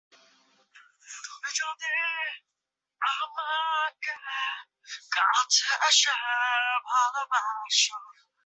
আখাউড়া উপজেলা সদর হইতে এই ইউনিয়নের অভ্যন্তরে যাতায়াতের মাধ্যম হচ্ছে- সড়কপথ ও নৌপথ।